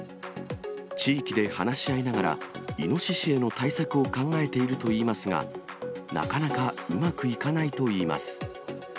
地域で話し合いながら、イノシシへの対策を考えているといいますが、なかなかうまくいかないといいます。